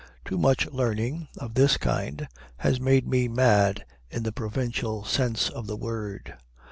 Too much learning (of this kind) had made me mad in the provincial sense of the word.